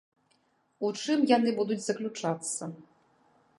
У чым яны будуць заключацца?